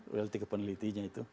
royalty ke penelitinya itu